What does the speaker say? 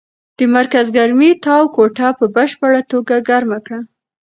د مرکز ګرمۍ تاو کوټه په بشپړه توګه ګرمه کړه.